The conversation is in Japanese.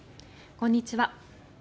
こんにちは。